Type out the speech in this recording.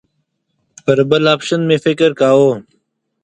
پر بل اپشن مې فکر کاوه.